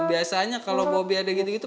biasanya kalau bobi ada gitu gitu